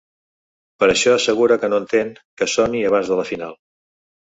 Per això assegura que no entén que soni abans de la final.